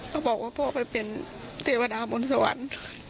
เขาบอกว่าพ่อไปเป็นเทวดาบนสวรรค์